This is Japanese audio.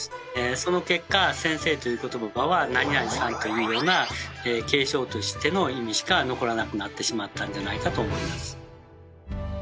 その結果先生という言葉は「何々さん」というような敬称としての意味しか残らなくなってしまったんじゃないかと思います。